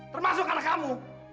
termasuk anak kamu